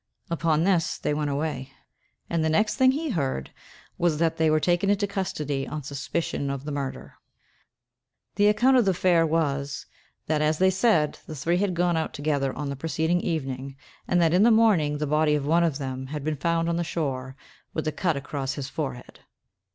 Upon this, they went away; and the next thing he heard was, that they were taken into custody on suspicion of the murder. The account of the affair was, that, as they said, the three had gone out together on the preceding evening, and that in the morning the body of one of them had been found on the shore, with a cut across his forehead.